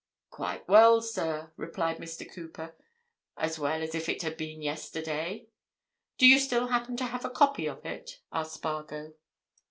"Quite well, sir," replied Mr. Cooper. "As well as if it had been yesterday." "Do you still happen to have a copy of it?" asked Spargo.